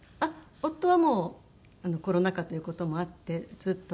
夫はもうコロナ禍という事もあってずっと。